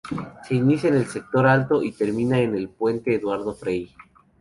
Se inicia en el sector Alto y termina en el Puente Eduardo Frei.